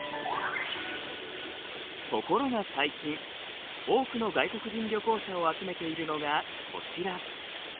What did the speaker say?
ところが最近多くの外国人旅行者を集めているのがこちら。